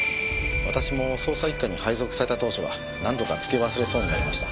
私も捜査一課に配属された当初は何度かつけ忘れそうになりました。